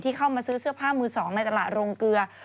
เข้ามาซื้อเสื้อผ้ามือสองในตลาดโรงเกลือ